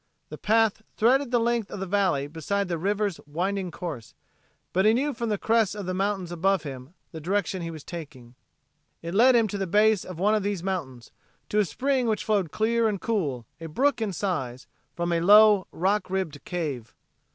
The path threaded the length of the valley beside the river's winding course, but he knew from the crests of the mountains above him the direction he was taking. It led him to the base of one of these mountains, to a spring which flowed clear and cool, a brook in size, from a low rock ribbed cave.